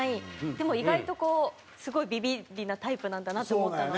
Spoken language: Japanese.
でも意外とこうすごいビビリなタイプなんだなって思ったので。